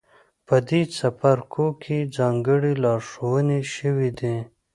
په دې څپرکو کې ځانګړې لارښوونې شوې دي.